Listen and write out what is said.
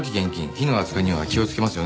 火の扱いには気をつけますよね？